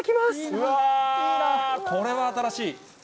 うわー、これは新しい。